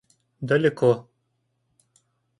далеко